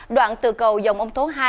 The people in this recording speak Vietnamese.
đoạn từ cầu dòng ông thố hai